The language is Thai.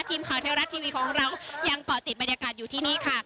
ทีมข่าวไทยรัฐทีวีของเรายังเกาะติดบรรยากาศอยู่ที่นี่ค่ะ